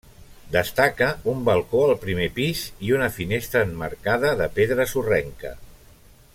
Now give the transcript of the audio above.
Destaca un balcó al primer pis i una finestra emmarcada de pedra sorrenca.